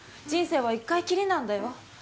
人生は１回きりなんだよ？